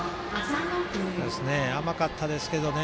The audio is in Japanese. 甘かったですけどね